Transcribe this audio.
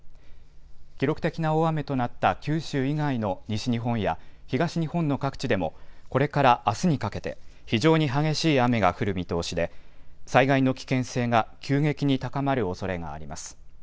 記録的な大雨となった九州以外の西日本や東日本の各地でもこれからあすにかけて非常に激しい雨が降る見通しで災害の危険性が急激に高まるおそれがあります。